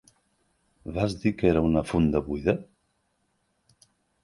Vas dir que era una funda buida?